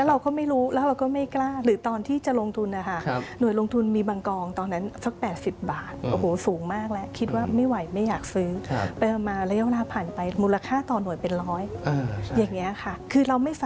หรือว่ากองทุนโบโรงแนะนำอย่างไรครับ